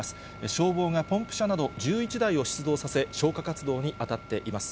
消防がポンプ車など１１台を出動させ、消火活動に当たっています。